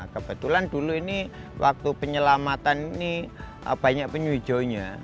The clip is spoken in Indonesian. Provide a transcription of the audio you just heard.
kebetulan dulu ini waktu penyelamatan ini banyak penyu hijaunya